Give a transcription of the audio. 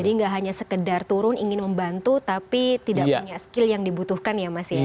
jadi nggak hanya sekedar turun ingin membantu tapi tidak punya skill yang dibutuhkan ya mas ya